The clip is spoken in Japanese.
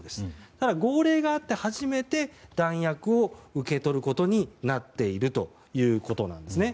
ただ、号令があって初めて弾薬を受け取ることになっているということなんですね。